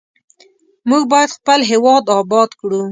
موږ باید خپل هیواد آباد کړو.